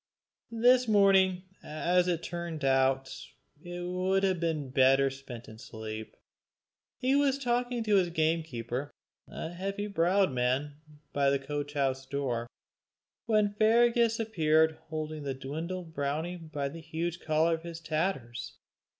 This morning, as it turned out, it would have been better spent in sleep. He was talking to his gamekeeper, a heavy browed man, by the coach house door, when Fergus appeared holding the dwindled brownie by the huge collar of his tatters.